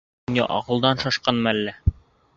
Был донъя аҡылдан шашҡанмы әллә?